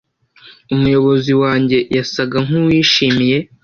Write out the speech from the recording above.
Umuyobozi wanjye yasaga nkuwishimiye